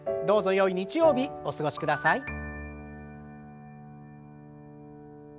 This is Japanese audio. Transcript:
どうぞよい日曜日お過ごしください。